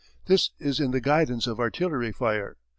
This is in the guidance of artillery fire.